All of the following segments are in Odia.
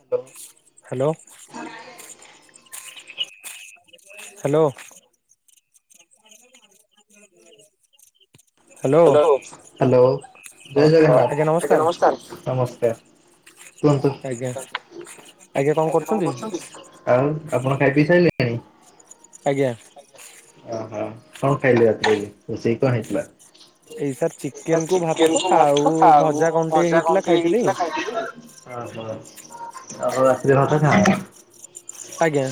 Hello hello. [inaudible] Hello. Hello. Hello. ହଁ ଜୟ ଜଗନ୍ନାଥ। ଆଜ୍ଞା ନମସ୍କାର ନମସ୍କାର। ନମସ୍କାର। କୁହନ୍ତୁ? ଆଜ୍ଞା ଆଜ୍ଞା କଣ କରୁଚନ୍ତି? ଆଉ ଆପଣ ଖାଇ ପିଇସାଇଲେଣି? ଆଜ୍ଞା। ଓହୋ କଣ ଖାଇଲେ ଆଜି। ରୋଷେଇ କଣ ହେଇଥିଲା? ଏଇ ସାର୍ ଚିକେନ କୁ ଭାତ ଆଉ ଭଜା କଣ ଟେ ହେଇଥିଲା ଖାଇଥିଲି। ଓହୋ। ଆଉ ରାତିରେ ଭାତ ଖାଅ? ଆଜ୍ଞା।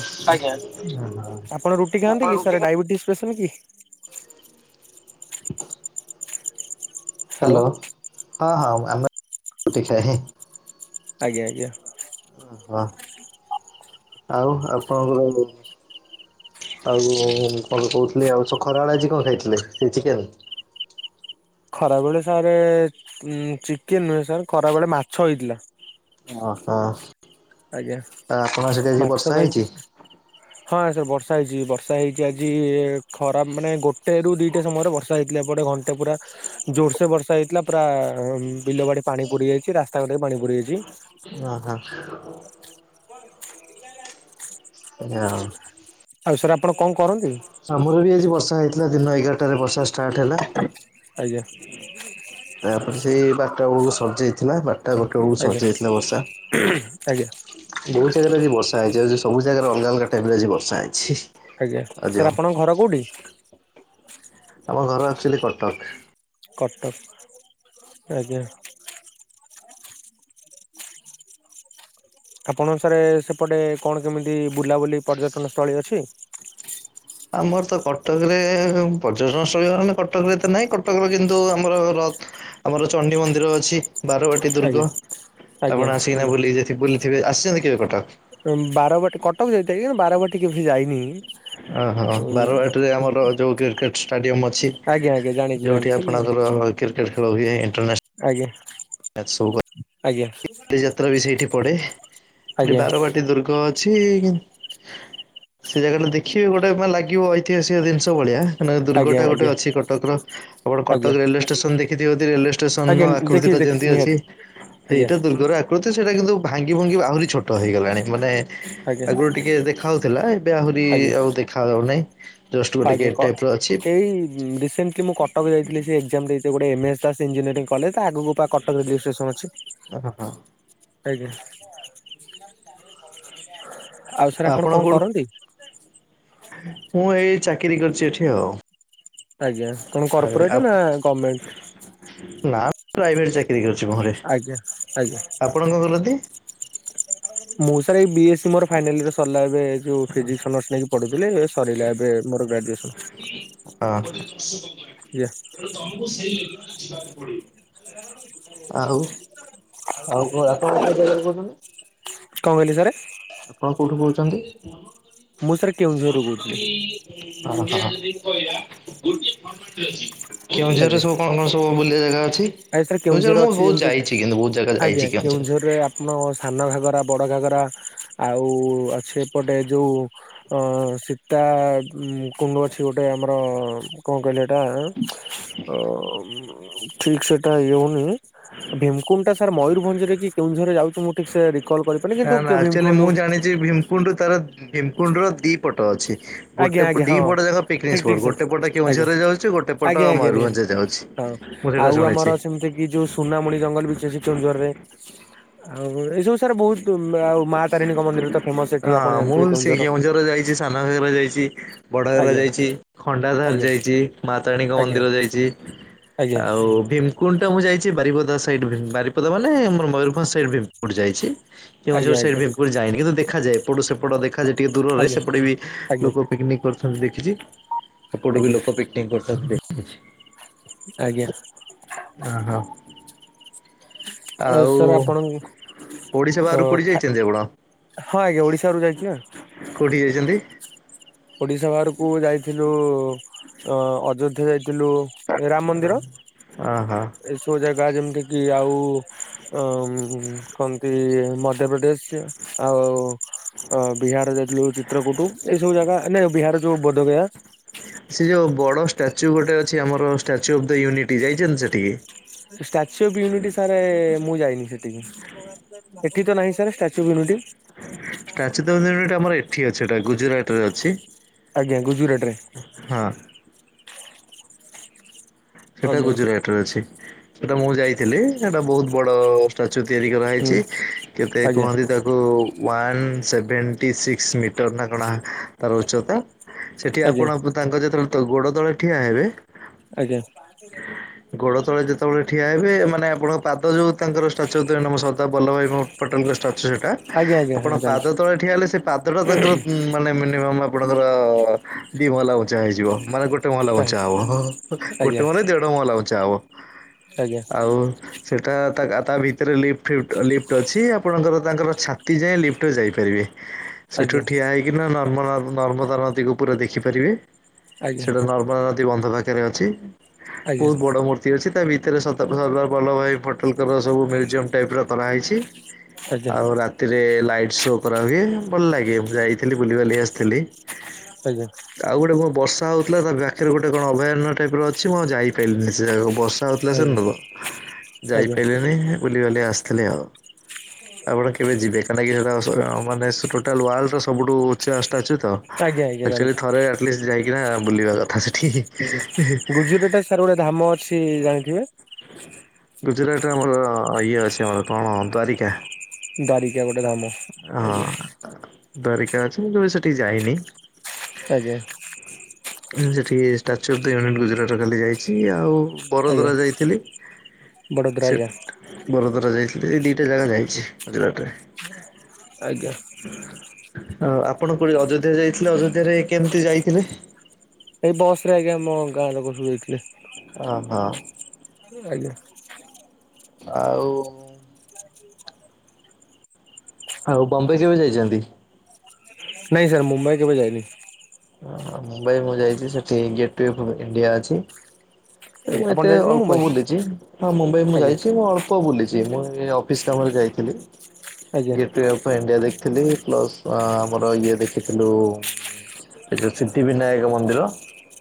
ଆପଣ ରୁଟି ଖାଆନ୍ତି କି ସାର ଡାଇବେଟିସ ପେସେଣ୍ଟ କି? ହ୍ୟାଲୋ ହଁ ହଁ ଆମେ ରୁଟି ଖାଏ ହିଁ। ଆଜ୍ଞା ଆଜ୍ଞା। ଓହୋ ଆଉ ଆପଣଙ୍କର ଆଉ କଣ କହୁଥିଲି ଆଉ ସ ଖରାବେଳେ ଆଜି କଣ ଖାଇଥିଲେ ସେଇ ଚିକେନ? ଖରାବେଳେ ସାରେ ଏ ଉଁ ଚିକେନ ନୁହେଁ ସାର୍ ଖରାବେେଳେ ମାଛ ହେଇଥିଲା। ଓ ହ ଆଉ ଆଜ୍ଞା ଆପଣଙ୍କ ସେଠି ଆଜି ବର୍ଷା ହେଇଚି? ହ ହଁ ସାର୍ ବର୍ଷା ହେଇଚି ବର୍ଷା ହେଇଚି ଆଜି ଖରାପ ମାନେ ଗୋଟେ ରୁ ଦିଟା ସମୟରେ ବର୍ଷା ଯାଇଥିଲା ପରେ ଘଣ୍ଟେ ପୁରା। ଜୋର୍ସେ ବର୍ଷା ହେଇଥିଲା ପୁରା ବିଲ ବାଡି ପାଣି ପୁଡି ଯାଇଛି ରାସ୍ତାଘାଟ ବି ପାଣି ପୁଡି ଯାଇଚି। ଓ ହୋ। [unintelligible] ଆଜ୍ଞା। ଆଉ ସାର୍ ଆପଣ କଂ କରନ୍ତି। ଆମର ବି ଆଜି ବର୍ଷା ହେଇଥିଲା ଦିନ ଏଗାର୍ଟାରେ ବର୍ଷା ଷ୍ଟାଟ୍ ହେଲା। ଆଜ୍ଞା। ତାପ୍ରେ ସେଇ ବାର୍ଟା ବେଳକୁ ସର୍ଜାଇଥିଲା ବର୍ଟା ଗୋଟ୍ ଟେ ଳକୁ ଆଜ୍ଞା ସର୍ଯାଇଥିଲା ବର୍ଷା। ଆଜ୍ଞା ବୋଉ ଜାଗାରେ ଆଜି ବର୍ଷା ହେଇଚି ଆଉ ସବୁ ଜାଗାରେ ଅଲ୍ଗା ଅଲ୍ଗା ଟାଇପ୍ରେ ଆଜି ବର୍ଷା ହେଇଚି। ଆଜ୍ଞା ସାର୍ ଆପଣଙ୍କ ଘର କୋଉଠି। ଆମ ଘର ଆକ୍ଚୁଆଲି କଟକ୍। କଟକ୍ ଆଜ୍ଞା। ଆପଣଙ୍କ ସାରେ ସେପଟେ କଣ କେମିତି ବୁଲାବୁଲି ପର୍ଯ୍ୟଟନ ସ୍ଥଳୀ ଅଛି। ଆମର୍ ତ କଟକ୍ରେ ପର୍ଯ୍ୟଟନସ୍ଥଳୀଲା କଟକରେ ତଂ ନାହିଁ କଟକରେ କିନ୍ତୁ ଆମର ର ଆମର ଚଣ୍ଡି ମନ୍ଦିର ଅଛି ବାରବାଟୀ ଆଜ୍ଞା ଦୁର୍ଗ ଆଜ୍ଞା ଆପଣ ଆସିକିନା ବୁଲିକି ଯା ଥି ବୁଲ୍ଥିବେ ଆସ୍ଚନ୍ତି କେବେ କଟକ୍। ବାରବାଟୀ କଟକ୍ଅଃ ଯାଇଥାଏ କିନ୍ତୁ ବାରବାଟୀ କିଛି ଯାଇନି। ଓହୋ ବାରବାଟୀରେ ଉଁ ଆମର ଯୋଉ କ୍ରିକେଟ୍ ଷ୍ଟାଡିୟମ୍ ଅଛି ଆଜ୍ଞା ଆଜ୍ଞା ଜାଣିଛି ଯୋଉଠି ଜାଣିଛି ଆପଣଙ୍କର କ୍ରିକେଟ୍ ଖଳୁ ହୁଏ ଏଇଣ୍ଟର୍ନେସ୍ ଆଜ୍ଞା। ଏଜ୍ ସବ୍ଭ ଆଜ୍ଞା। ଯାତ୍ରା ବି ସେଇଠି ପଡେ ଏଠି ଆଜ୍ଞା ବାରବାଟୀ ଦୁର୍ଗ ଅଛି। ସେ ଜାଗାଟା ଦେଖିବେ ଗୋଟେ ମେ ଲାଗିବ ଐତିହାସିକ ଜିନ୍ଷ ଭଳିଆ। ମାନ ଆଜ୍ଞା ଆଜ୍ଞା ଦୁର୍ଗଟା ଗୋଟେ ଅଛି କଟକ୍ର। ଆପଣ ଆଜ୍ଞା କଟକ୍ ରେଲ୍ୱେ ଷ୍ଟେସନ୍ ଦେଖିଥିବ ରେଲ୍ୱେ ଷ୍ଟେସନ୍ ଆଜ୍ଞା ଆକୃତି ଦେଖିଛି ଟା ଦେଖିଛି ଯେମ୍ତି ଅଛି। ନିହାତି ଆଜ୍ଞା ସେଇଟା ଦୁର୍ଗର ଆକୃତି ସେଇଟା କିନ୍ତୁ ଭାଙ୍ଗି ଭୁଙ୍ଗି ଆହୁରି ଛୋଟ ହେଇଗଲାଣି ମାନେ ଆଜ୍ଞା ଆଗୁରୁ ଟିକେ ଦେଖା ହଉଥିଲା ଏବେ ଆହୁରି ଆଉ ଦେଖା ଯାଉନାହିଁ। ଜଷ୍ଟ ଗୋଟେ ଆଗେ ଗେଟ୍ କର୍ ଟାଇପ୍ ର ଅଛି। ଏଇ ରିସେଣ୍ଟ୍ କି ମୁଁ କଟକ୍ ଯାଇଥିଲି ସେ ଏକ୍ଜାମ୍ ଦେଇତେ ଗୋଟେ ଏମେଏସ୍ ଦ ଇଜିଂନିୟରିଂ କଲେଜ୍ ତା ଆଗକୁ କଟକ୍ ରେଓ ଷ୍ଟେସନ୍ ଅଛି। ଓ ହଁ। ଆଜ୍ଞା। ଆଉ ସାର୍ ଆପଣ କଣ କରନ୍ତି। ମୁଁ ଏଇ ଚାକିରି କର୍ଚି ଏଠି ଆଉ। ଆଜ୍ଞା କଣ କର୍ପୋରେଟ୍ ନା ଆପ- ଗମେଣ୍ଟ୍। ନା ପ୍ରାଇଭେଟ୍ ଚାକିରୀ କରିଛି ମୁଁହରେ ଆଜ୍ଞା ଆଜ୍ଞା ଆପଣ କଂ କରନ୍ତି। ମୁଁ ସାର୍ ଏଇ ବି ଏସ୍ ସି ମୋର ଫାଇନାଲ୍ରେ ସର୍ଲା ଏବେ ଉ ଫିଜିକ୍ସନର୍ସ ନେଇକି ପଢୁଥିଲେ ସରିଲା ଏବେ ମୋର ଗ୍ରାଜୁଏସନ୍। ହଁ। ୟେ ତେଣୁ ତମକୁ ସେଇ ଲିମିଟ୍ ବୁଝିବାକୁ ପଡିବ। ଆଉ ଆଉ କଣ ଆପଣ ଜାଗାରୁ କହୁଛନ୍ତି। କଂ କହିଲେ ସାରେ। ଆପଣ କୋଉଠୁ କହୁଛନ୍ତି? ଅ ମୁଁ ସାର୍ ହ କେଉଁଝରରୁ କହୁଥିଲି କେଉଁଝରରେ ସବୁ କଣ କଣ ଆଜ୍ଞା ସ ସବୁ ବୁଲିବା ଜାଗା ଅଛି। ଆଜ୍ଞା ସାର୍ କେଉଁଝର ମୁଁ ଅଛି ବହୁତ ଯେମିତି ଯାଇଛି କିନ୍ତୁ ବହୁତ ଜାଗା ଆଜ୍ଞା ଯାଇଛି କେଉଁଝର। କେଉଁଝରରେ ଆପଣ ସାନ ଘାଗରା ବଡ଼ ଘାଗରା ଆଉ ଅଛି ଏପଟେ ଯେଉଁ ଅ ସୀତା କୁଣ୍ଡ ଅଛି ଗୋଟେ ଆମର କଣ କହିଲେ ଏଟା ଅ ଠିକସେ ଏଟା ଇଏ ହୋଉନି ଭିମକୁଣ୍ଡଟା ସାର୍ ମୟୂରଭଞ୍ଜରେ କି କେଉଁଝରରେ ଯାଉଛି ମୁଁ ଠିକ ସେ ରିକଲ୍ କରିି ନା ନା ଆକ୍ଚୁଆଲି ମୁଁ ଜାଣିଛି ଭୀମକୁଣ୍ଡ ତାର ଭୀମକୁଣ୍ଡ ର ଦି ପଟ ଅଛି। ଆଜ୍ଞା ଗୋଟେ ପ ଆଜ୍ଞା ଦି ହଁ ପଟ ଯାକ ଠିକ ପିକ୍ନିକ୍ ଠିକ ସ୍ପଟ ସାର୍ ଗୋଟେ ପଟ ଆଜ୍ଞା କେଉଁଝରରେ ଯାଉଛି ଗୋଟେ ପଟ ଆଜ୍ଞା ଆଜ୍ଞା ନିହାତି ମୟରଭଞ୍ଜରେ ଯାଉଛି। ହଁ ମୁଁ ସେଇଟା ଆଉ ଶୁଣିଛି ଆମର ସେମିତି କି ଯୋଉ ସୁନାମୁଣି ଜଙ୍ଗଲ ବିଚ ଅଛି କେଉଁଝରରେ ଆଉ ଏଇ ସବୁ ସାର୍ ବହୁତ ଆଉ ମା ତାରିଣଙ୍କ ମନ୍ଦିର ତ ଫେମସ ଏଠି ଆପଣ ଜାଣିଥିବେ କେଉଁଝରର। ଜି ସାନ ଘାଗରା ଯାଇଛି। ବଡ଼ଘାଗରା ଆଜ୍ଞା। ଯାଇଛି ଖଣ୍ଡାଧାର ଆଜ୍ଞା ଯାଇଛି ମା ତାରିଣୀଙ୍କ ଆଜ୍ଞା ମନ୍ଦିର ଯାଇଛି। ଆଜ୍ଞା ଆଉ ଭୀମ କୁଣ୍ଡଟା ମୁଁ ଯାଇଛି ବାରିପଦା ସାଇଡ଼୍ ଭି ବାରିପଦା ମାନେ ଆମର ମୟୂରଭଞ୍ଜ ସାଇଡ଼୍ ଭୀମକୁଣ୍ଡ ଯାଇଛି। କେଉଁଝର ଆଜ୍ଞା ସାଇଡ ଆଜ୍ଞା ଭୀମକୁଣ୍ଡ ଯାଇନି କିନ୍ତୁ ଦେଖାଯାଏ ଏପଟୁ ସେପ ଏପଟ ଦେଖା ଯାଏ ଟିକେ ଦୂରରେ ସେପଟେ ବି ଆଜ୍ଞା ଲୋକ ପିକନିକ କରୁଛନ୍ତି ଦେଖିଛି। ଏପଟ ବି ଆଜ୍ଞା ଲୋକ ପିକ ଏ ବର୍ତ୍ତମାନ ରେଟ କଣ ଅଛି? ଆଜ୍ଞା। ଓହୋ। ଆଉ ସାର୍ ଆପଣ ଓଡିଶା ଓ ବାହାରୁ କୋଉଠି ଖା ଯାଇଛନ୍ତି ଆପଣ ହଁ ଆଜ୍ଞା ଓଡିଶାରୁ ଯାଇଛିନା। କୋଉଠିକି ଯାଇଛନ୍ତି? ଓଡିଶା ବାହାରକୁ ଯାଇଥିଲୁ ଅ ଅଯୋଧ୍ୟା ଯାଇ ଥିଲୁ ଏ ରାମ ମନ୍ଦିର ଓହୋ। ଏସବୁ ଜାଗା ଯେମିତି କିି ଆଉ ହ କୁହନ୍ତି ମଧ୍ୟପ୍ରଦେଶ ଆଉ ଅ ବିହାର ଯାଇଥିଲୁ ଚିତ୍ରକୂଟ ଏଇ ସବୁ ଜାଗା ନା ବିହାର ଯୋଉ ବଦଗୟା। ସେ ଯୋଉ ବଡ ଷ୍ଟାଚ୍ୟୁ ଗୋଟେ ଅଛି ଆମର ଷ୍ଟାଚ୍ୟୁ ଅଫ ଦ ୟୁନିଟି ଯାଇଛନ୍ତି ସେଠିକି? ଷ୍ଟାଚ୍ୟୁ ଅଫ୍ ୟୁନିଟି ସାର ମୁଁ ଯାଇନି ସେଠିକି। ଏଠି ତ ନାହିଁ sir statue of unity. Statue of unity ଆମର ଏଠି ଅଛି ସେଟା ଗୁଜୁରାଟ ରେ ଅଛି। ଆଜ୍ଞା ଗୁଜୁରାଟ ରେ। ହଁ। ସେଟା ଆଜ୍ଞା ଗୁଜୁରାଟରେ ଅଛି। ସେଟା ମୁଁ ଯାଇଥିଲି ସେଟା ବହୁତ ବଡ ଷ୍ଟାଚୁ ତିଆରି ହୁଁ କରାହେଇଛି କେତେ ଆଜ୍ଞା କୁହନ୍ତି ତାକୁ ୱାନ ସେଭେଣ୍ଟି ସିକ୍ସ ମିଟର ନା କଣ ଆ ତାର ଉଚତା। ସେଠି ଆଜ୍ଞା ଆପଣ ତାଙ୍କ ଯେତେବେଳେ ତ ଗୋଡ ତଳେ ଠିଆ ହେବେ ଆଜ୍ଞା। ଗୋଡ ତଳେ ଯେତେବେଳେ ଠିଆ ହେବେ ମାନେ ଆପଣଙ୍କ ପାଦ ଯୋଉ ତାଙ୍କର ଷ୍ଟାଚ୍ୟୁ ଭିତରେ ସର୍ଦାର ବଲ୍ଲଭ ଭାଇ ଭ ପଟେଲଙ୍କ ଷ୍ଟାଚ୍ୟୁ ସେଇଟା ଆଜ୍ଞା ଆଜ୍ଞା ଆପଣ ହଁ ପାଦ ଜାଣୁଛି ତଳେ ଠିଆ ହେଲେ ସେ ପାଦଟା ତାଙ୍କର ମାନେ ମିନିମମ୍ ଆପଣଙ୍କର ଦି ମହଲା ଉଞ୍ଚା ହେଇଯିବ ମାନେ ଗୋଟେ ଗୋଟ ମହଲା ଉଞ୍ଚା ଆଜ୍ଞା ହବ। ଆଜ୍ଞା ଗୋଟେ ମହଲା ଦେଢ ମହଲା ଉଞ୍ଚା ହବ। ଆଜ୍ଞା। ଆଉ ସେଟା ତା ଗା ଭିତରେ ଲିଫ୍ଟ ଫିଫ୍ଟ ଲିଫ୍ଟ ଅଛି ଆପଣଙ୍କର ତାଙ୍କର ଛାତି ଯାଏଁ ଲିଫ୍ଟରେ ଯାଇପାରିବେ। ସେଠୁ ଆଜ୍ଞା ଠିଆ ହେଇକିନା ନର୍ମ ନର୍ମଦା ନଦୀକୁ ପୁରା ଦେଖିପାରିବେ। ଆଜ୍ଞା ସେଟା ନର୍ମଦା ନଦୀ ବନ୍ଧ ପାଖରେ ଅଛି। ଆଜ୍ଞା ବହୁତ ବଡ଼ ମୂ ମୂର୍ତ୍ତି ଅଛି ତା ଭିତରେ ସଦାର ବଲ୍ଲଭ ଭାଇ ଫଟେଲଙ୍କର ସବୁ ମ୍ୟୁଜିୟମ ଟାଇପର କରା ହେଇଛି। ଆଉ ରା ରାତିରେ ଲାଇଟ ଶୋ କରା ହୁଏ ଭଲ ଲାଗେ ମୁଁ ଯାଇଥିଲି ବୁଲିିବାଲି ଆସିଥିଲି। ଆଜ୍ଞା ଆଉ ଗୋଟେ କଣ ବର୍ଷା ହଉଥିଲା। ତା ପାଖରେ ଗୋଟେ କଣ ଅଭୟାରଣ୍ୟ ଟାଇପିର ଅଛି। ମୁଁ ଆଉ ଯାଇପାରିଲିନି। ସେ ଜାଗକୁ ବଷ୍ ବର୍ଷା ହୋଉଥିଲା ସେ ଦିନଠୁ ଆଜ୍ଞା ଆଜ୍ଞା ଯାଇପାରିଲିନି ବୁଲିବାଲି ଆସିଥିଲି ଆଉ। ଆପଣ କେବେ ଯିବେ କାହିଁକି ନା ସେଟା ସ ମାନେ ସେ ଟୋଟାଲ ୱାଲଡର ସବୁଠୁ ଉଚ୍ଚା ଚାଲିଚି ତ ଆଜ୍ଞା ଆକ୍ଚୁଆଲି ଜାଣିଛି ଥରେ ଆଟଲିଷ୍ଟ ଯାଇକିନା ବୁଲିବା କଥା ସେଠି। ଆଜ୍ଞା ଗୁଜୁରାଟା ସାର୍ ଗୋଟେ ଧାମ ଅଛି ଜାଣିଥିବେ। ଗୁଜୁରାଟରେ ଆମର ଇଏ ଅଛି ଆମର କଣ ଦ୍ୱାରିକା। ଦ୍ବାରିକା ଗୋଟେ ଧାମ ଆଜ୍ଞା। ଦ୍ବାରିକା ଅଛି ମୁଁ କେବେ ସେଠିକି ଯାଇନି? ଆଜ୍ଞା ଏଁ ସେଠି ଷ୍ଟାଚ୍ୟୁ ଫେମ୍ ଗୁଜୁରାଟ ଖାଲି ଯାଇଛି। ଆଉ ବରୋଦରା ଯାଇଥିଲି। ବଡ଼ ସେ ଦ୍ବାରିକା। ବରୋଦରା ଯାଇଥିଲି। ଏଇ ଦିଟା ଜାଗା ଯାଇଛି ଗୁଜୁରାଟରେ। ଆଜ୍ଞା ଆଁ ଆପଣ କୋଉଠି ଅଯୋଧ୍ୟା ଯାଇଥିଲେ। ଅଯୋଧ୍ୟାରେ କେମିତି ଯାଇଥିଲେ? ଏଇ ବସରେ ଆଜ୍ଞା ଆମ ଗାଁ ଲୋକ ସବୁ ଯାଇଥିଲେ। ଅଁ ହଁ ଆଜ୍ଞା ଆଉ ସେଇ ହାଟରେ ଆଉ ବମ୍ବେ କେବେ ଯାଇଚନ୍ତି? ନାଇଁ ସାର୍ ମୁମ୍ବାଇ କେବେ ଯାଇନି। ହଁ ମୁମ୍ବାଇ ମୁଁ ଯାଇଛି। ସେଠି ଗେଟୱେ ଅଫ୍ ଇଣ୍ଡିଆ ଅଛି। ହେଠୁ ଆଜ୍ଞା ମୁଁ ଆପଣ ଏତେ ଯାଇଛନ୍ତି ଅଳ୍ପ ମୁମ୍ବାଇ ବୁଲିଚି। ହଁ ମୁମ୍ବାଇ ମୁଁ ଆଜ୍ଞା ଯାଇଛି। ମୁଁ ଅଳ୍ ଅଳ୍ପ ବୁଲିଛି। ମୁଁ ଏଇ ଅଫିସ କାମରେ ଯାଇଥିଲି। ଆଜ୍ଞା ଗେଟୱେ ଇଣ୍ଡିଆ ଦେଖିଥିଲି। ପ୍ଲସ୍ ଆମର ଇଏ ଦେଖିଥିଲୁ ଏଇଠି ସିଦ୍ଧି ବିିନାୟକ ମନ୍ଦିର।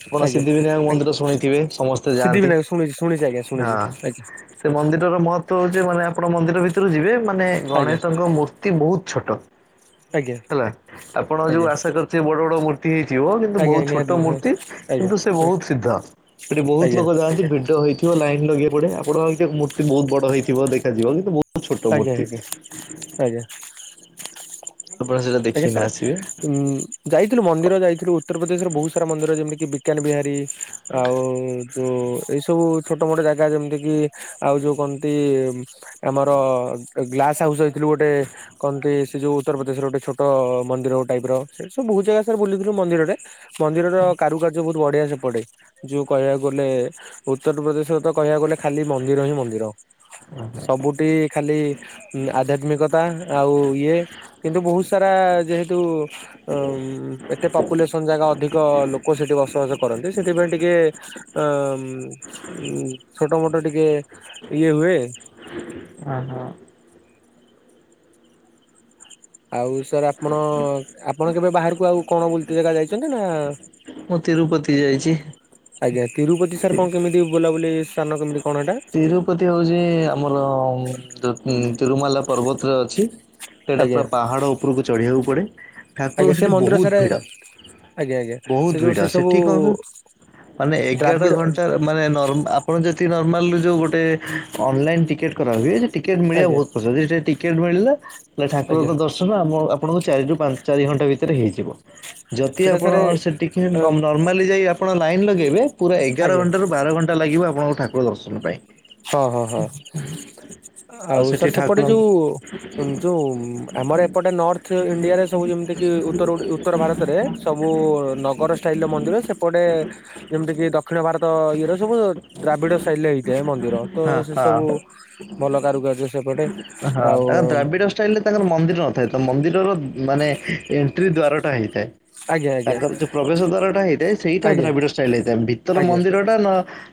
ଆପଣ ଆଜ୍ଞା ସିଦ୍ଧି ବିିନାୟକ ଆଜ୍ଞା ମନ୍ଦିର ଶୁଣିଥିବେ ସମସ୍ତେ ଯାଆନ୍ତି ସିଦ୍ଧିବିନାୟକ ଶୁଣିଛି ଶୁଣିଛି ଆଜ୍ଞା ଶୁଣିଛି ହଁ। ଆଜ୍ଞା ସେ ମନ୍ଦିରର ମହତ୍ଵ ହଉଛି ମାନେ ଆପଣ ମନ୍ଦିର ଭିତରକୁ ଯିବେ ମାନେ ଆଜ୍ଞା ଗଣେଶଙ୍କ ମୂର୍ତ୍ତି ବହୁତ ଛୋଟ। ଆଜ୍ଞା ହେଲା ଆପଣ ଯୋଉ ଆଜ୍ଞା ଆଶା କରିଥିବେ ବଡ଼ ବଡ଼ ମୂ ମୂର୍ତ୍ତି ହେଇଥିବ। କିନ୍ତୁ ଆଜ୍ଞା ବହୁତ ନିହାତି ଛୋଟ ହଁ ମୂର୍ତ୍ତି ଆଜ୍ଞା କିନ୍ତୁ ସେ ବହୁତ ସିଦ୍ଧ। ଏଠି ବହୁତ ଆଜ୍ଞା ଲୋକ ଯାଆନ୍ତି ଭିଡ଼ ହୋଇ ହୋଇଥିବ ଲାଇନ ଲଗେଇବାକୁ ପଡ଼େ। ଆପଣଙ୍କ ଏଇଟାକୁ ମୂର୍ତ୍ତି ବହୁତ ବଡ଼ ହେଇଥିବ ଦେଖାଯିବ। କିନ୍ତୁ ମୂ ଆଜ୍ଞା ଆଜ୍ଞା ଆଜ୍ଞା ଆପଣ ସେଇଟା ଆଜ୍ଞା ଦେଖିକିନା ସର୍ ଆସିବେ। ଉଁ ଯାଇଥିଲୁ ମନ୍ଦିର ଯାଇଥିଲୁ ଉତ୍ତରପ୍ରଦେଶର ବହୁତ ସାରା ମନ୍ଦିର ଯେମିତି କି ବିକାନ୍ ବିହାରୀ ଆଉ ଯୋଉ ଏଇ ସବୁ ଛୋଟ ମୋଟ ଜାଗା ଯେମିତି କି ଆଉ ଯୋଉ କଣନ୍ତି ଆମର ଗ୍ଲାସ ହାଉସ୍ ଜାଇଥିଲୁ ଗୋଟେ। କଣନ୍ତି ସେ ଯୋଉ ଉତ୍ତରପ୍ରଦେଶର ଗୋଟେ ଛୋଟ ମନ୍ଦିର ଗୋଟେ ଟାଇପର ସେ ସବୁ ବହୁତ ଜାଗା ସାର୍ ବୁଲିଥିଲୁ ମନ୍ଦିରରେ। ମନ୍ଦିରର କାରୁକାର୍ଯ୍ୟ ବହୁତ ବଢ଼ିଆ ସେପଟେ। ଯୋଉ କହିବାକୁ ଗଲେ ଉତ୍ତରପ୍ରଦେଶର ତ କହିବାକୁ ଗଲେ ଖାଲି ମନ୍ଦିର ହିଁ ମନ୍ଦିର। ସବୁଠି ଖାଲି ସେ ଆଧ୍ୟାତ୍ମିକତା ଆଉ ଇଏ କିନ୍ତୁ ବହୁତ ସାରା ଯେହେତୁ ଉଁ ଏତେ ପପୁଲେସନ ଯାଗା ଅଧିକ ଲୋକ ସେଠି ବସବାସ କରନ୍ତି। ସେଥିପାଇଁ ଟିକେ ଅ ଉ ଛୋଟ ମୋଟ ଟିକେ ଇଏ ହୁଏ। ଓ ହୋ ଆଉ ସାର୍ ଆପଣ, ଆପଣ କେବେ ବାହାରକୁ ଆଉ କଣ ବୁଲତେ ଜାଗା ଯାଇଛନ୍ତି ନା ମୁଁ ତିରୁପତି ଯାଇଛି। ଆଜ୍ଞା। ତିରୁପତି ସାର୍ କଣ କେମିତି ବୁଲାବୁଲି ସ୍ଥାନ କେମିତି କଣ ଏଟା? ତିରୁପତି ହଉଛି ଆମର ଯୋତି ତିରୁମାଲା ପର୍ବତରେ ଅଛି। ସେଟା ଆଜ୍ଞା ପୁରା ପାହାଡ଼ ଉପରକୁ ଚଢିବାକୁ ପଡେ। ଆଜ୍ଞା ଠାକୁରଙ୍କ ସେ ସେଠି ମନ୍ଦିର ବହୁତ ସାର୍ ଭିଡ। ଆଜ୍ଞା ଆଜ୍ଞା ସେ ବହୁତ ଯୋଉ ଭିଡ ସେ ସବୁ ସେଠି କଣ କହିଲୁ ମାନେ ଏଗାର ଦ୍ରାବିଡ ଘଣ୍ଟାର ମାନେ ନିର୍ମାଲ, ଆପଣ ଯଦି ନର୍ମାଲ ଯୋଉ ଗୋଟେ ଅନଲାଇନ ଟିକେଟ କରା ହୁଏ। ଟିକେଟ ମିଳିବା ଆଜ୍ଞା ବହୁତ କଷ୍ଟ। ଯଦି ସେ ଟିକେଟ ମିଳିଲା ତାହେଲେ ଆଜ୍ଞା ଠାକୁରଙ୍କ ଦର୍ଶ ଦର୍ଶନ ଆମ ଆପଣଙ୍କୁ ଚାରିରୁ ପା ଚାରି ଘଣ୍ଟା ଭିତରେ ହେଇଯିବ‌। ଯଦି ସେଟା ଆପଣ ସାର୍ ସେ ଟିକେଟ ନ, ନର୍ମାଲି ଯାଇ ଆପଣ ଲାଇନ ଲଗେଇବେ ପୁରା ଏଗାର ଆଜ୍ଞା ଘଣ୍ଟାରୁ ବାର ଘଣ୍ଟା ଘଣ୍ଟା ଲାଗିବ ଆପଣଙ୍କୁ ଠାକୁର ଦର୍ଶନ ପାଇଁ। ହଁ ହଁ ହଁ। ଆଉ ସେଠି ସାର୍ ସେପଟେ ଠାକୁରଙ୍କୁ ଯୋଉ ଯୋଉ ଆମର ଏପଟେ ନର୍ଥ ଇଣ୍ଡିଆରେ ସବୁ ଯେମିତି କି ଉତ୍ତର ଉତ୍ତର ଭାରତରେ ସବୁ ନଗର ଷ୍ଟାଇଲ ର ମନ୍ଦିର। ସେପଟେ ଯେମିତି କିି ଦକ୍ଷିଣ ଭାରତ ଇଏ ର ସବୁ ଦ୍ରାବିଡ ଷ୍ଟାଇଲ ରେ ହେଇଥାଏ ମନ୍ଦିର। ମନ୍ଦିର ତ ହଁ ସେ ହଁ। ସବୁ ଭଲ କାରୁକାର୍ଯ୍ୟ ସେପଟେ। ହଁ ତାଙ୍କ ଆଉ ଦ୍ରାବିଡ ଷ୍ଟାଇଲରେ ତାଙ୍କର ମନ୍ଦିର ନଥାଏ। ତ ମନ୍ଦିରର ମାନେ ଏଣ୍ଟ୍ରି ଦ୍ଵାର ଟା ହେଇଥାଏ। ଆଜ୍ଞା ଆଜ୍ଞା ତାଙ୍କର ଯୋଉ ପ୍ରବେଶ ଦ୍ଵାର ଟା ହେଇଥାଏ ସେଇଟା ଆଜ୍ଞା ଦ୍ରାବିଡଷ୍ଟାଇଲ ହେଇଥାଏ। ଭିତର ମନ୍ଦିର [unintelligible]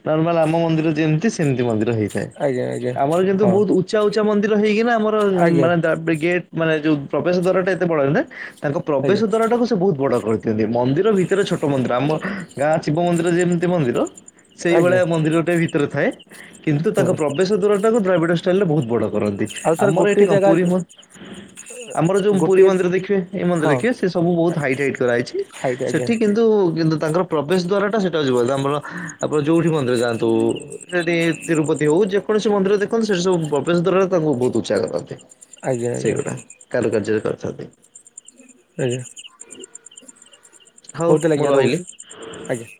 ନର୍ମାଲ ଆମ ମନ୍ଦିର ଯେମତି ସେମତି ମନ୍ଦିର ହେଇଥାଏ। ଆଜ୍ଞା ଆଜ୍ଞା ଆଜ୍ଞା ଆମର କିନ୍ତୁ ହଁ ବହୁତ ଉଚା ଉଚା ମନ୍ଦିର ହେଇକି ନା ଆମର ଆଜ୍ଞା ମାନେ ଗେଟ୍ ମାନେ ଯେଉଁ ପ୍ରବେଶ ଦ୍ୱାରଟା ଏତେ ବଡ ହେଇନଥାଏ। ତାଙ୍କ ପ୍ରବେଶ ଆଜ୍ଞା ଦ୍ଵାରା ଟାକୁ ସେ ବହୁତ ବଡ କରି ସେମିତି ମନ୍ଦିର ଭିତରେ ଛୋଟ ମନ୍ଦିର। ଆମ ଗାଁ ଶିବ ମନ୍ଦିର ଯେମିତି ମନ୍ଦିର ଆଜ୍ଞା ସେଇଭଳିଆ ମନ୍ଦିର ଟେ ଭିତରେ ଥାଏ। କିନ୍ତୁ ହୁଁ ତାଙ୍କ ପ୍ରବେଶ ଦୂର ଟାକୁ ଦ୍ରାବିଡ଼ ଷ୍ଟାଇଲରେ ବହୁତ ବଡ଼ କରନ୍ତି। ଆଉ ସାର୍ ଆମର ଏଠି ଗୋଟିଏ କଣ ଜାଗା ପୁରୀ ଆମର ଯୋଉ ପୁରୀ ଗୋଟିଏ ମନ୍ଦିର ଦେଖିବେ, ଏଇ ମନ୍ଦିର ହଁ ଦେଖିବେ ସେ ସବୁ ବହୁତ ହାଇଟ୍ ହାଇଟ୍ କରାହେଇଛି। ଆଜ୍ଞା ଆଜ୍ଞା ସେଠି କିନ୍ତୁ, କିନ୍ତୁ ତାଙ୍କର ପ୍ରବେଶ ଦ୍ଵାରା ଟା ସେଇଟା [unintelligible] ଆମର ଆପଣ ଯୋଉଠି ମନ୍ଦିର ଯାଆନ୍ତୁ। ସେଠି ତିରୁପତି ହଉ ଯେ କୈାଣସି ମନ୍ଦିର ଦେଖନ୍ତୁ ସେଠି ସବୁ ପ୍ରବେଶ ଦ୍ୱାରା ତାଙ୍କୁ ବହୁତ ଉଚା କରନ୍ତି। ଆଜ୍ଞା ଆଜ୍ଞା ସେଇଗୁଡା କାରୁ କାର୍ଯ୍ୟରେ କରିଥାନ୍ତି। ଆଜ୍ଞା। ହଉ ତାହାଲେ ମୁଁ ଆଜ୍ଞା ରହିଲି। ରହୁଛିୁ। ଆଜ୍ଞା।